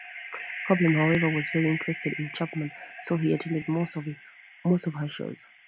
Koppelman, however, was very interested in Chapman, so he attended most of her shows.